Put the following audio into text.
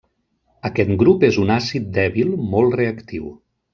Aquest grup és un àcid dèbil molt reactiu.